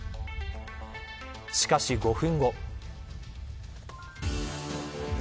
しかし５分後。